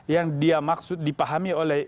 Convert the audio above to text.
yang dia maksud dipahami oleh